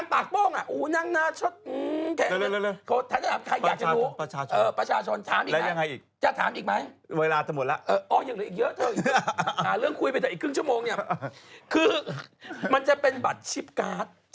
พูดไปแต่อีกครึ่งชั่วโมงเนี่ยคือมันจะเป็นบัตรชิปการ์ด